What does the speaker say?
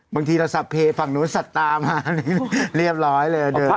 บางทีเราสัพเพศฝั่งโน้นสัตว์ตามาเรียบร้อยเลยอ่ะเดิม